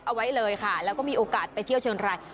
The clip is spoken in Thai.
เอาไว้เลยค่ะแล้วก็มีโอกาสไปเที่ยวเชียงราย